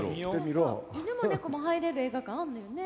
犬も猫も入れる映画館あるのよね。